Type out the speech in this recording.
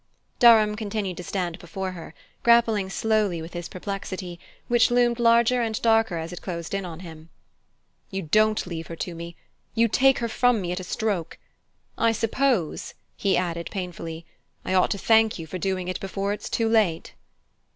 Durham continued to stand before her, grappling slowly with his perplexity, which loomed larger and darker as it closed in on him. "You don't leave her to me; you take her from me at a stroke! I suppose," he added painfully, "I ought to thank you for doing it before it's too late."